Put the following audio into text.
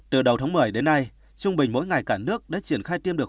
từ đầu tháng một mươi đến nay trung bình mỗi ngày cả nước đã triển khai tiêm được